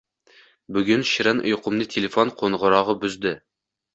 Bugun shirin uyqumni telefon qo`ng`irog`i buzdi